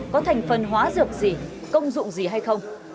có thành phần hóa dược gì công dụng gì hay không